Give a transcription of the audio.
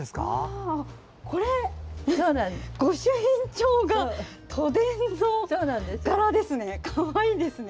これ、ご朱印帳が都電の柄ですね。